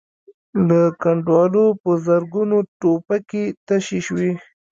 له کنډوالو په زرګونو ټوپکې تشې شوې.